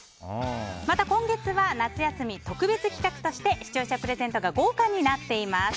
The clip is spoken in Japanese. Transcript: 今月は夏休み特別企画として視聴者プレゼントが豪華になっています。